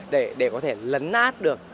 để có thể lấn nát được